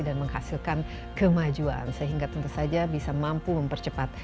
menghasilkan kemajuan sehingga tentu saja bisa mampu mempercepat